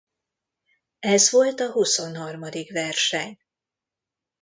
Ez volt a huszonharmadik verseny.